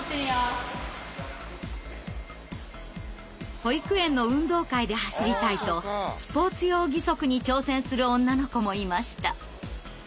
保育園の運動会で走りたいとスポーツ用義足に挑戦する女の子もいました。